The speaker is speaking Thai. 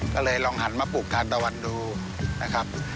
ก็เลยลองหันมาปลูกทานตะวันดูนะครับ